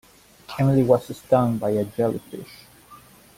Emily was stung by a jellyfish.